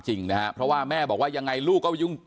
เชิงชู้สาวกับผอโรงเรียนคนนี้